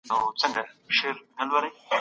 ایا د ډېرو خبرو پر ځای اورېدل ذهن اراموي؟